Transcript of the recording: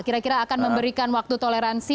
kira kira akan memberikan waktu toleransi